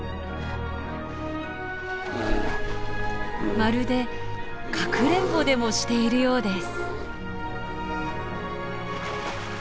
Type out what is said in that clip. まるでかくれんぼでもしているようです。